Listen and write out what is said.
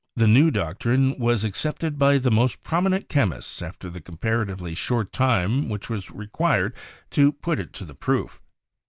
The new doctrine was accepted by the most prominent chemists after the comparatively short time which was required to put it to the proof.